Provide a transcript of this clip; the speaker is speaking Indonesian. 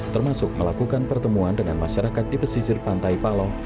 termasuk melakukan pertemuan dengan masyarakat di pesisir pantai paloh